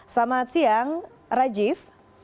selamat siang rajif